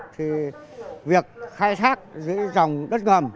thì việc khai thác dưới dòng đất ngầm